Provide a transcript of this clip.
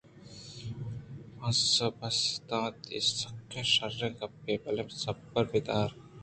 پِنس ءَ پسّہ دات اے سکیّں شرّیں گپّ ئے: بلے صبر ءَ بہ دار